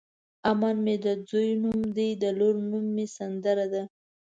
امن مې د ځوی نوم دی د لور نوم مې سندره ده.